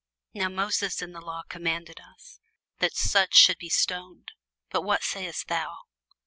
Now Moses in the law commanded us, that such should be stoned: but what sayest thou?